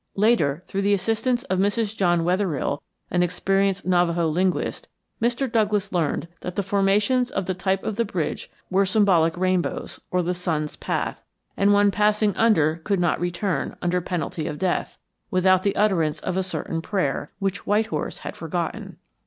Later, through the assistance of Mrs. John Wetherill, an experienced Navajo linguist, Mr. Douglass learned that the formations of the type of the bridge were symbolic rainbows, or the sun's path, and one passing under could not return, under penalty of death, without the utterance of a certain prayer, which White Horse had forgotten.